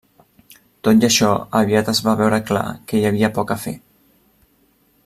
Tot i això, aviat es va veure clar que hi havia poc a fer.